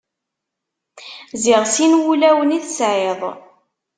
Ziɣ sin wulawen i tesɛiḍ.